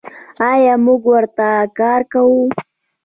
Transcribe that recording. آیا موږ ورته کار کوو؟